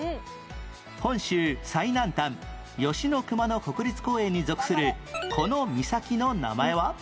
本州最南端吉野熊野国立公園に属するこの岬の名前は？